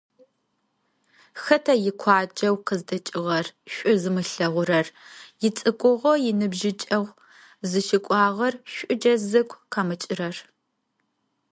Хэта икъуаджэу къыздэкӏыгъэр шӏу зымылъэгъурэр, ицӏыкӏугъо - иныбжьыкӏэгъу зыщыкӏуагъэр шӏукӏэ зыгу къэмыкӏырэр?